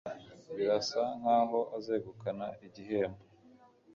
Birasa nkaho azegukana igihembo.